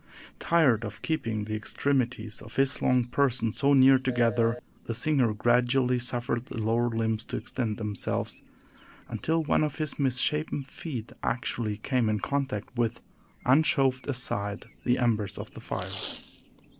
Tired of keeping the extremities of his long person so near together, the singer gradually suffered the lower limbs to extend themselves, until one of his misshapen feet actually came in contact with and shoved aside the embers of the fire.